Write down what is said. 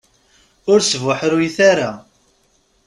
Ur sbuḥruyet ara.